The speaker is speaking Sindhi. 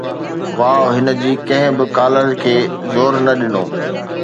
واءُ هن جي ڪنهن به ڪالر کي زور نه ڏنو